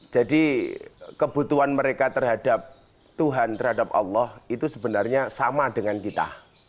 jadi kebutuhan mereka terhadap tuhan terhadap allah itu sebenarnya sama dengan kita